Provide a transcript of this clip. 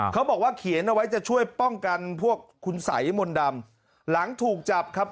เขาบอกว่าเขียนเอาไว้จะช่วยป้องกันพวกคุณสัยมนต์ดำหลังถูกจับครับ